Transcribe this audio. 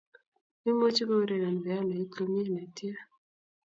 Imuchi koureren pianoit komie netia